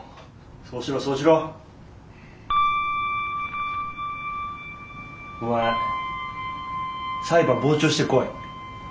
そうしろそうしろ。お前裁判傍聴してこい。